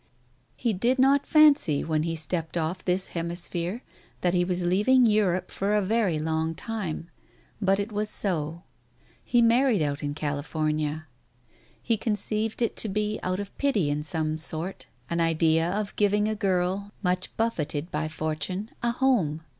He did not fancy, when he stepped off this hemisphere, that he was leaving Europe for a very long time. But it was so. He married out in California. He conceived it to be out of pity in some sort, an idea of giving a girl, much buffeted by fortune, a home.